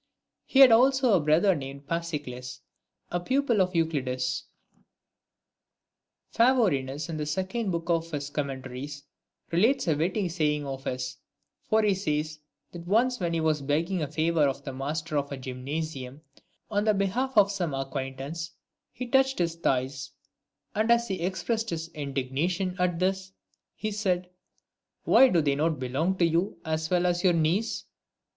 VI. He had also a brother named Pasicles, a pupil of Euclides. VII. Phavorinus, in the second book of his Commentaries, relates a witty saying of his ; for he says, that once, when he was begging a favour of the master of a gymnasium, on the behalf of some acquaintance, he touched his thighs ; and as he expressed his indignation at this, he said, " Why, do they not belong to you as well as your knees?"